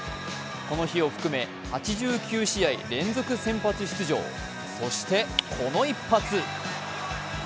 この日を含め８９試合連続先発出場そして、この一発。